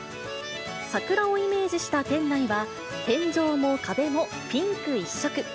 桜をイメージした店内は天井も壁もピンク一色。